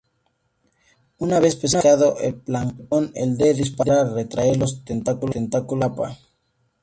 Una vez pescado el plancton, el D. dispar retrae los tentáculos y escapa.